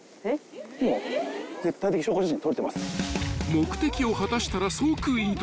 ［目的を果たしたら即移動］